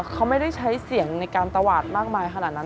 เขาไม่ได้ใช้เสียงในการตวาดมากมายขนาดนั้น